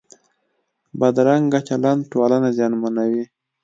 بدرنګه چلند ټولنه زیانمنوي